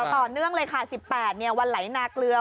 ต่อเนื่องเลยค่ะ๑๘วันไหลนาเกลือ